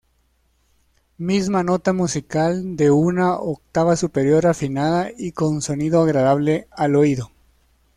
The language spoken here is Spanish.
Misma nota musical de una octava superior, afinada y con sonido agradable al oído.